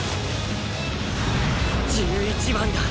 １１番だ。